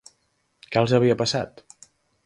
Què els havia passat?